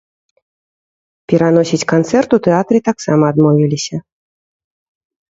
Пераносіць канцэрт у тэатры таксама адмовіліся.